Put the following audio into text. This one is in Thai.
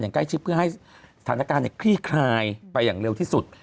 ใกล้ชิดเพื่อให้สถานการณ์คลี่คลายไปอย่างเร็วที่สุด